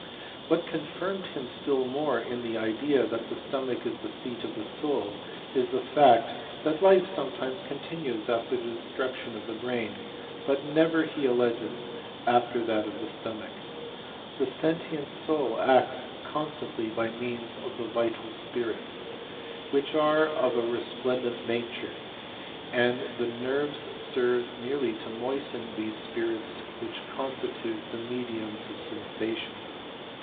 What con finned him still more in the idea that the stomach is the seat of the soul, is the fact, that life sometimes continues after the destruction of the brain, but never, ■he alleges, after that of the stomach. The sentient soul acts constantly by means of the vital spirits^ which are of a resplendent nature, and the nerves serwe merely to moisten these spirits which constitute the mediums of sensation.